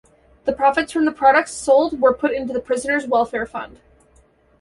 The profits from the products sold were put into the prisoners' welfare fund.